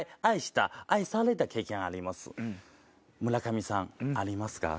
村上さんありますか？